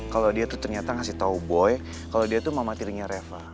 kalau dia tuh ternyata ngasih tau boy kalau dia tuh mama tirinya reva